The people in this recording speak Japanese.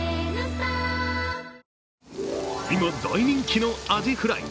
今、大人気のアジフライ。